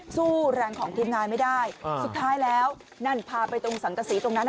สู้แรงของทีมงานไม่ได้สุดท้ายแล้วนั่นพาไปตรงสังกษีตรงนั้น